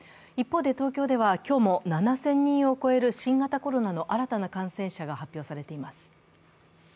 一方で、東京では今日も７０００人を超える新型コロナの新たな感染者が発表されています。